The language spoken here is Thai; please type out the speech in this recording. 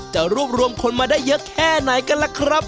จะรวบรวมคนมาได้เยอะแค่ไหนกันล่ะครับ